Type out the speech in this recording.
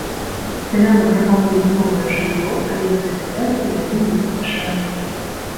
Сялянам прапануюць новае жыллё, але перасяляцца яны не спяшаюцца.